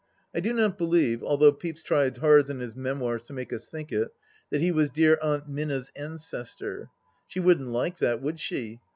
I do not believe, although Pepys tries hard in his memoirs to make us think it, that he was dear Aunt Minna's ancestor! She wouldn't like that, would she